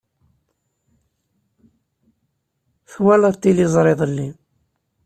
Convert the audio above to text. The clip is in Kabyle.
Twalaḍ tiliẓri iḍelli.